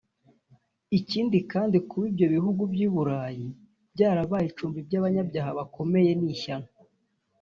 Ikindi kandi kuba ibyo bihugu by’u Burayi byarabaye icumbi ku banyabyaha bakomeye ni ishyano